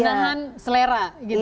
menahan selera gitu